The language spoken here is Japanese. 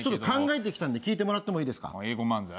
考えてきたんで聞いてもらってもいいですか。